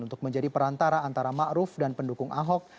untuk menjadi perantara antara ma'ruf dan pendukung ahok